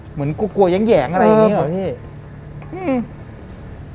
เหมือนกลัวแหย่งอะไรอย่างนี้เหรอ